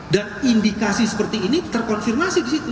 dan indikasi seperti ini terkonfirmasi disitu